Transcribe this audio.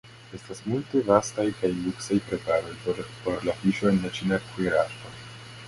Estas multe vastaj kaj luksaj preparoj por la fiŝo en la ĉina kuirarto.